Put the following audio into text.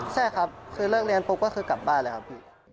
ใช่ครับคือเลิกเรียนปุ๊บก็คือกลับบ้านเลยครับพี่